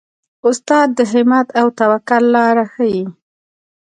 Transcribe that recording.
استاد د همت او توکل لاره ښيي.